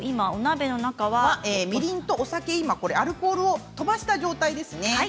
みりんとお酒アルコールを飛ばした状態です。